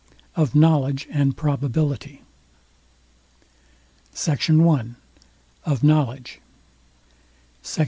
OF KNOWLEDGE AND PROBABILITY. SECT. I. OF KNOWLEDGE. SECT.